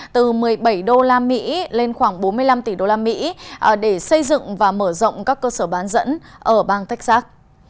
từ một mươi bảy đô la mỹ lên khoảng bốn mươi năm tỷ đô la mỹ để xây dựng và mở rộng các cơ sở bán dẫn ở bang texas